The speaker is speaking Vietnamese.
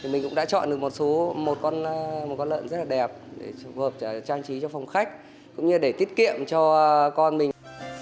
mình cũng đã chọn được một con lợn rất là đẹp để phù hợp trang trí cho phòng khách cũng như để tiết kiệm cho con mình